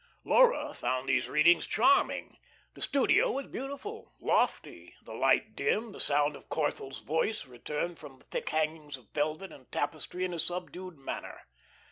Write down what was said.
Laura found these readings charming. The studio was beautiful, lofty, the light dim; the sound of Corthell's voice returned from the thick hangings of velvet and tapestry in a subdued murmur.